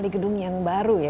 di gedung yang baru ya